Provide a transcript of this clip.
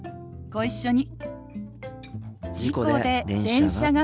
ご一緒に。